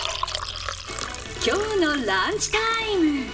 今日のランチタイム。